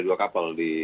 ada dua kapal di